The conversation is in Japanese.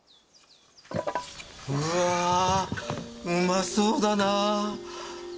うわあうまそうだな。